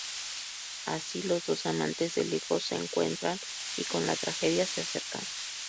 Así, los dos "amantes de lejos" se encuentran, y con la tragedia se acercan.